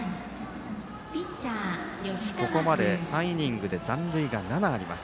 ここまで３イニングで残塁が７あります。